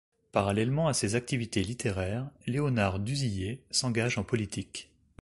Parallèlement à ses activités littéraires, Léonard Dusillet s'engage en politique.